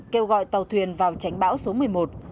kêu gọi tàu thuyền vào tránh bão số một mươi một